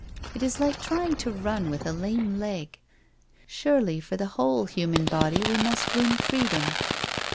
It is like trying to run with a lame leg. Surely, for the whole human body we must win free dom.